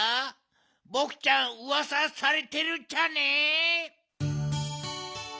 ボクちゃんうわさされてるっちゃね。